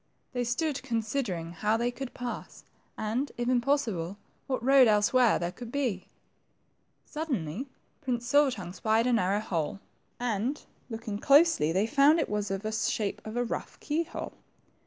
They stood considering how they could pass, and, if impossible, what road elsewhere thqre could be. Suddenly Prince Silver tongue spied a narrow hole, and looking closely they found it was of the shape of a rough key hole.